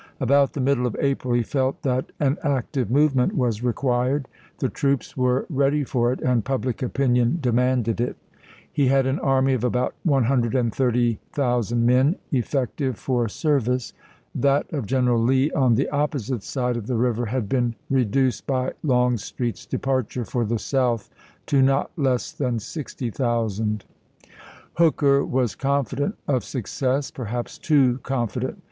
About the middle of April he felt that an i863. active movement was required. The troops were «Battie8 ready for it and public opinion demanded it. Leaded." He had an army of about 130,000 men effective for Vp*237?" service ; that of General Lee on the opposite side of the river had been reduced by Longstreet's depart ure for the South to not less than 60,000. iwd.,P.23a Hooker was confident of success — perhaps too confident.